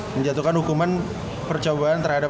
menjatuhkan hukuman percobaan terhadap